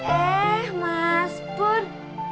eh mas pur